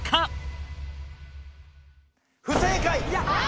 不正解！